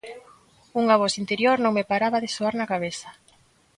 Unha voz interior non me paraba de zoar na cabeza.